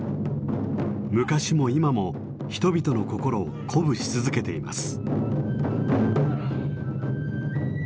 昔も今も人々の心を鼓舞し続けています。